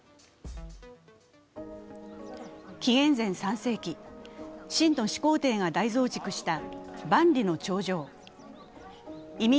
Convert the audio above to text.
紀元前３世紀、秦の始皇帝が大増築した万里の長城。